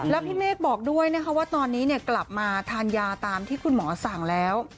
แล้วพี่เมฆบอกด้วยนะคะว่าตอนนี้กลับมาทานยาตามที่คุณหมอสั่งแล้ว